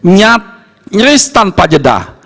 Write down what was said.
nyat nyeris tanpa jedah